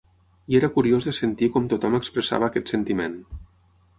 I era curiós de sentir com tothom expressava aquest sentiment